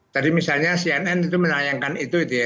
tadi misalnya cnn itu menayangkan itu gitu ya